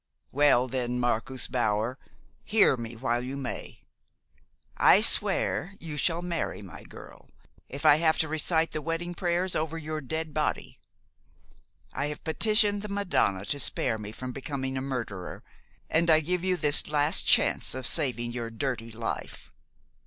Well, then, Marcus Bauer, hear me while you may. I swear you shall marry my girl, if I have to recite the wedding prayers over your dead body. I have petitioned the Madonna to spare me from becoming a murderer, and I give you this last chance of saving your dirty life.